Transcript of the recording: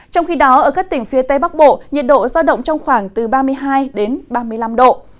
trong khi đó ở các tỉnh phía tây bắc bộ nhiệt độ do động trong khoảng từ ba mươi hai ba mươi năm độ